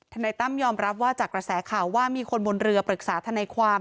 นายตั้มยอมรับว่าจากกระแสข่าวว่ามีคนบนเรือปรึกษาทนายความ